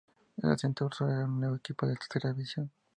El Santa Úrsula era nuevo equipo de Tercera División.